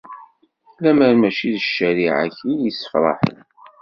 Lemmer mačči d ccariɛa-k i iyi-issefraḥen.